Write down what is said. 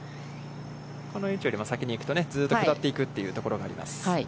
この位置よりも先に行くと、ずうっと下っていくというところがあります。